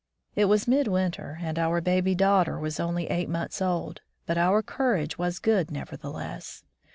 It was midwinter, and our baby daughter was only eight months old; but our courage was good nevertheless.